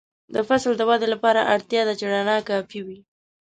د فصل د ودې لپاره اړتیا ده چې رڼا کافي وي.